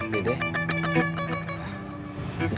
dede makasih banyak